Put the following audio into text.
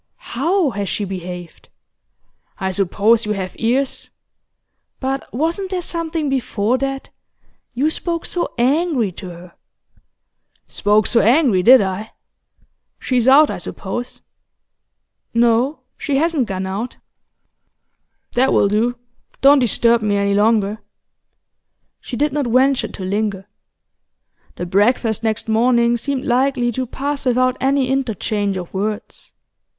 'How has she behaved?' 'I suppose you have ears?' 'But wasn't there something before that? You spoke so angry to her.' 'Spoke so angry, did I? She is out, I suppose?' 'No, she hasn't gone out.' 'That'll do. Don't disturb me any longer.' She did not venture to linger. The breakfast next morning seemed likely to pass without any interchange of words.